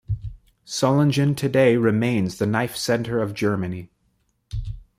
Solingen today remains the knife-centre of Germany.